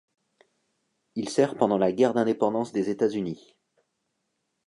Il sert pendant la guerre d'indépendance des États-Unis.